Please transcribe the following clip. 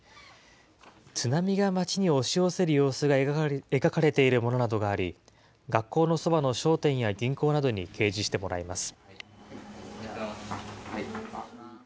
津波が町に押し寄せる様子が描かれているものなどがあり、学校のそばの商店や銀行などに掲示してもらいます。